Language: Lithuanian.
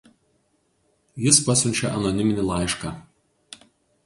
Jis pasiunčia anoniminį laišką.